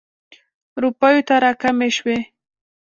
روپیو ته را کمې شوې.